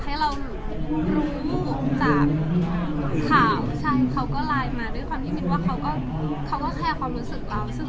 คือเอาจริงมินไม่ได้คิดว่าแบบข่าวนี้